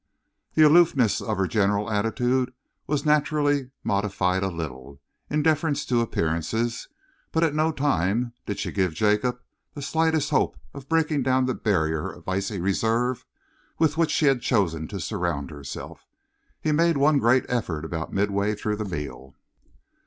The aloofness of her general attitude was naturally modified a little, in deference to appearances, but at no time did she give Jacob the slightest hope of breaking down the barrier of icy reserve with which she had chosen to surround herself. He made one great effort about midway through the meal.